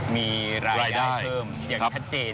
มีรายได้เพิ่มอย่างชัดเจน